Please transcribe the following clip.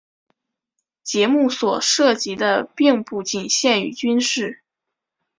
节目所涉及的并不仅限于军事。